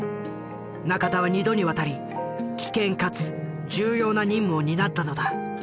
仲田は２度にわたり危険かつ重要な任務を担ったのだ。